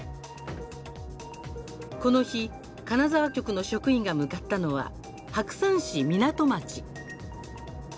この日、金沢局の職員が向かったのは、白山市湊町。